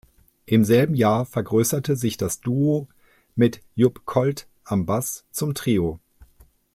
Im selben Jahr vergrößerte sich das Duo mit Jupp Colt am Bass zum Trio.